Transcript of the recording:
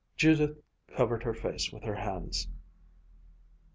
Judith covered her face with her hands.